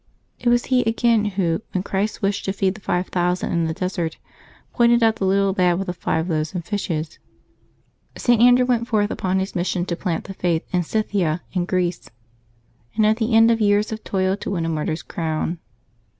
It was he again who, when Christ wished to feed the five thousand in the desert, pointed out the little lad with the five loaves and fishes. St. Andrew went forth upon his mission to plant the Faith in Scythia and Greece, and at the end of years of toil to win a martyr's crown.